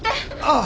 ああ。